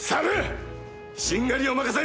しんがりを任せる！